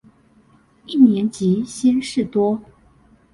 一年級鮮事多